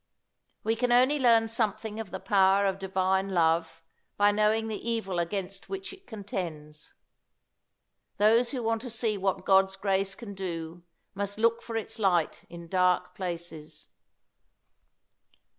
We can only learn something of the power of Divine Love by knowing the evil against which it contends. Those who want to see what God's grace can do must look for its light in dark places.